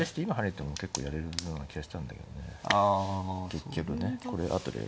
結局ねこれ後で。